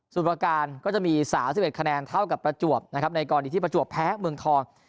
ส่วนประการก็จะมี๓๑คะแนนเท่ากับประจวบนะครับในกรณีที่ประจวบแพ้เมืองทอง